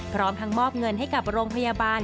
พร้อมทั้งมอบเงินให้กับโรงพยาบาล